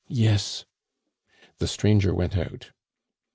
"Yes." The stranger went out.